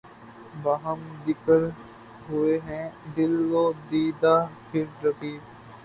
باہم دِکر ہوئے ہیں دل و دیده پهر رقیب